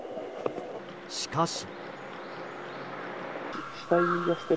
しかし。